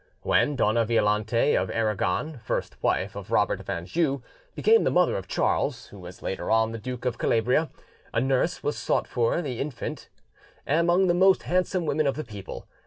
When Dona Violante of Aragon, first wife of Robert of Anjou, became the mother of Charles, who was later on the Duke of Calabria, a nurse was sought for the infant among the most handsome women of the people.